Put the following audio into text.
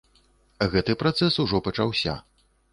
Гэты працэс ужо пачаўся.